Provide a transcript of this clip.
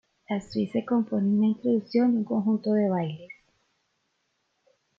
La suite se compone de una introducción y un conjunto de bailes.